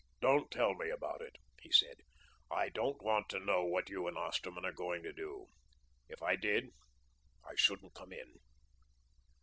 "Don't tell me about it," he said. "I don't want to know what you and Osterman are going to do. If I did, I shouldn't come in."